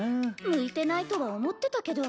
向いてないとは思ってたけど。